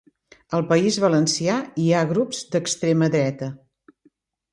Al País Valencià hi ha grups d'extrema dreta